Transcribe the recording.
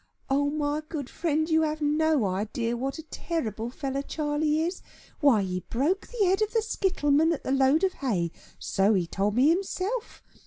"Oh, my good friend, you have no idea what a terrible fellow Charley is. Why he broke the head of the skittleman at the "Load of Hay." So he told me himself.